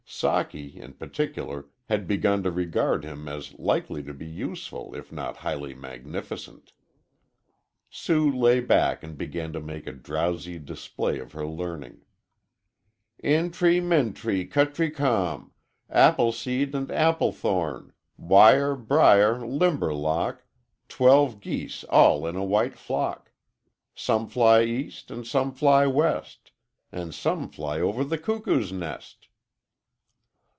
Socky, in particular, had begun to regard him as likely to be useful if not highly magnificent. Sue lay back and began to make a drowsy display of her learning: "Intry, mintry, cutry com, Apple seed an' apple thorn, Wire, brier, limber lock, Twelve geese all in a white flock; Some fly east an' some fly west An' some fly over the cuckoo's nest."